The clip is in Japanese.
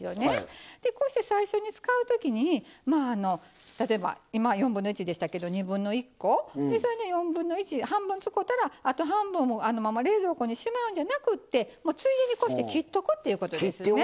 でこうして最初に使う時に例えば今は1/4でしたけど1/2コそれの1/4半分使うたらあと半分あのまま冷蔵庫にしまうんじゃなくってもうついでにこうして切っとくということですね。